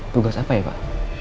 tugas apa ya pak